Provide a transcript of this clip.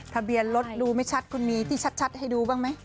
ทะเบียนรถดูไม่ชัดคุณมีที่ชัดให้ดูบ้างไหม